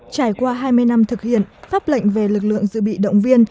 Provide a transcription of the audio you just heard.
trải qua hai mươi năm thực hiện pháp lệnh về lực lượng dự bị động viên